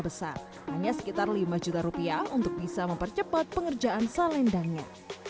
besar hanya sekitar lima juta rupiah untuk bisa mempercepat pengerjaan salendangnya